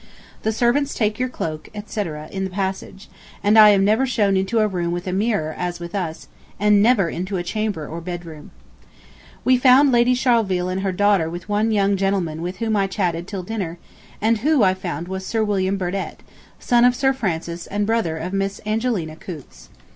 The servants take your cloak, etc., in the passage, and I am never shown into a room with a mirror as with us, and never into a chamber or bedroom. We found Lady Charleville and her daughter with one young gentleman with whom I chatted till dinner, and who, I found, was Sir William Burdette, son of Sir Francis and brother of Miss Angelina Coutts.